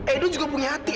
edo juga punya hati